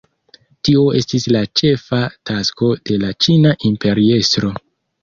Tio estis la ĉefa tasko de la ĉina imperiestro.